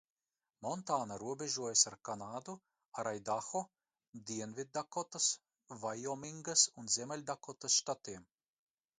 Montāna robežojas ar Kanādu, ar Aidaho, Dienviddakotas, Vaiomingas un Ziemeļdakotas štatiem.